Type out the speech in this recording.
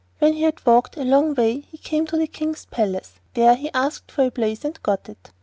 When he had walked a long way, he came to a King's palace. There he asked for a place and got it.